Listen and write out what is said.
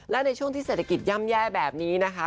และในช่วงที่เศรษฐกิจย่ำแย่แบบนี้นะคะ